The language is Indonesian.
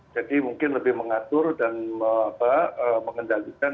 jadi mungkin lebih mengatur dan mengendalikan